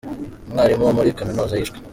Umwarimu wo muri kaminuza yishwe